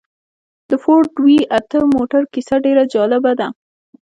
د فورډ وي اته موټر کيسه ډېره جالبه ده.